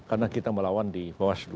karena kita melawan di bawaslu